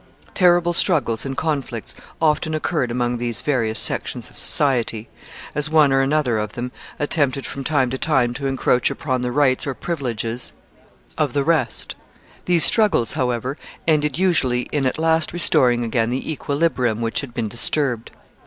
Terrible struggles and conflicts often occurred among these various sections of society, as one or another attempted from time to time to encroach upon the rights or privileges of the rest. These struggles, however, ended usually in at last restoring again the equilibrium which had been disturbed.